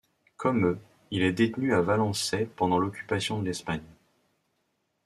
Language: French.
Comme eux, il est détenu à Valençay pendant l'occupation de l'Espagne.